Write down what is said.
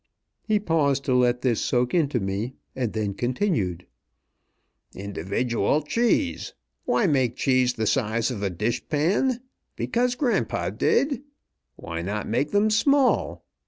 He paused to let this soak into me, and then continued: "Individual cheese! Why make cheese the size of a dish pan? Because grandpa did? Why not make them small?